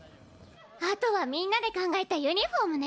あとはみんなで考えたユニフォームね！